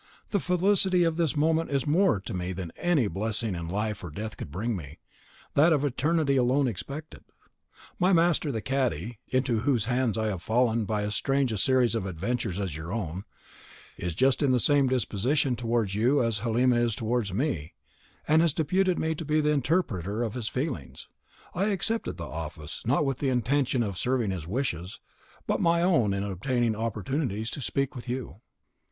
The felicity of this moment is more to me than any blessing that life or death could bring me, that of eternity alone excepted. My master, the cadi, into whose hands I have fallen by as strange a series of adventures as your own, is just in the same disposition towards you as Halima is towards me, and has deputed me to be the interpreter of his feelings. I accepted the office, not with the intention of serving his wishes, but my own in obtaining opportunities to speak with you.